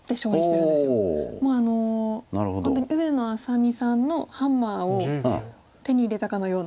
もう本当に上野愛咲美さんのハンマーを手に入れたかのような。